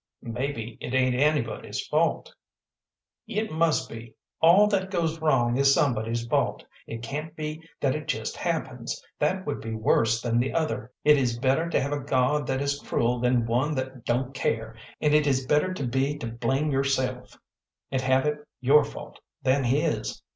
"Maybe it ain't anybody's fault." "It must be. All that goes wrong is somebody's fault. It can't be that it just happens that would be worse than the other. It is better to have a God that is cruel than one that don't care, and it is better to be to blame yourself, and have it your fault, than His.